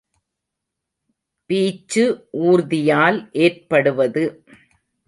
Beach ஊர்தியால் ஏற்படுவது.